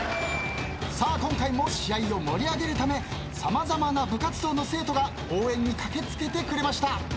さあ今回も試合を盛り上げるため様々な部活動の生徒が応援に駆け付けてくれました。